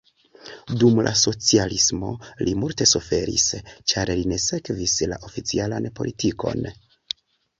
Dum la socialismo li multe suferis, ĉar li ne sekvis la oficialan politikon.